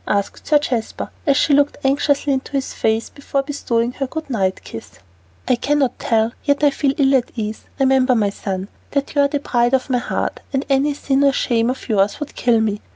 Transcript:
asked Sir Jasper, as she looked anxiously into his face before bestowing her good night kiss. "I cannot tell, yet I feel ill at ease. Remember, my son, that you are the pride of my heart, and any sin or shame of yours would kill me.